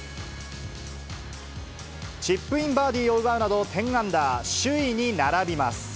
チップインバーディーを奪うなど１０アンダー、首位に並びます。